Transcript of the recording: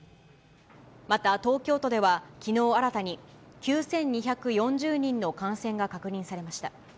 また東京都ではきのう新たに９２４０人の感染が確認されました。